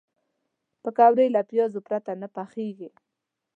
پکورې له پیازو پرته نه پخېږي